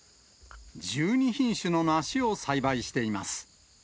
１２品種の梨を栽培しています。